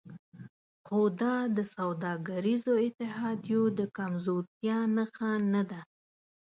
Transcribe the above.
خو دا د سوداګریزو اتحادیو د کمزورتیا نښه نه ده